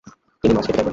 তিনি মাছ খেতে চাইতেন।